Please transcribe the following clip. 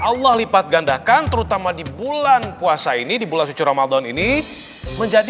allah lipat gandahkan terutama di bulan puasa ini di bulan suci ramadan ini akan berubah menjadi